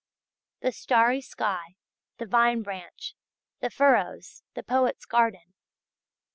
The "Starry Sky," the "Vine Branch," the "Furrows," the "Poet's Garden."